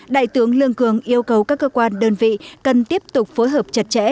đại tướng lương cường yêu cầu các cơ quan đơn vị cần tiếp tục phối hợp chặt chẽ